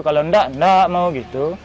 kalau enggak enggak mau gitu